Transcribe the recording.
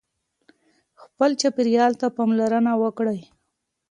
خپل چاپېریال ته پاملرنه وکړئ.